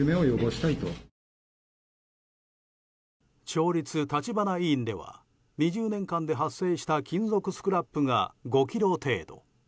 町立橘医院では、２０年間で発生した金属スクラップが５ｋｇ程度。